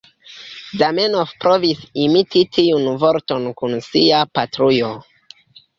Zamenhof provis imiti tiun vorton kun sia "patrujo".